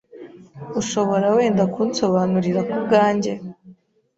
Ushobora wenda kunsobanurira kubwanjye?